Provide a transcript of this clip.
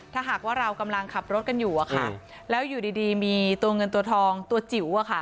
ถ้าหากว่าเรากำลังขับรถกันอยู่อะค่ะแล้วอยู่ดีมีตัวเงินตัวทองตัวจิ๋วอะค่ะ